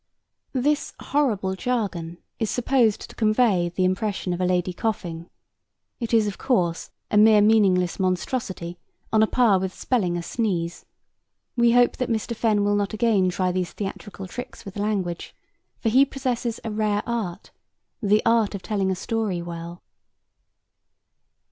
This horrible jargon is supposed to convey the impression of a lady coughing. It is, of course, a mere meaningless monstrosity on a par with spelling a sneeze. We hope that Mr. Fenn will not again try these theatrical tricks with language, for he possesses a rare art the art of telling a story well.